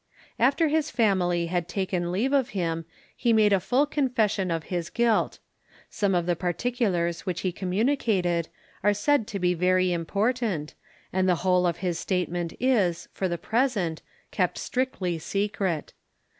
After his family had taken leave of him, he made a full confession of his guilt. Some of the particulars which he communicated are said to be very important, and the whole of his statement is, for the present, kept strictly secret.